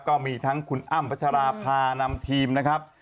ก็มีทั้งคุณอ้ำพัชราภานำทีมนะครับ